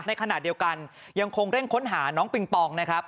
ในขณะเดียวกันยังคงเร่งค้นหาน้องปิงปองนะครับ